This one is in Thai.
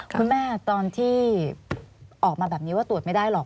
คุณแม่ตอนที่ออกมาแบบนี้ว่าตรวจไม่ได้หรอก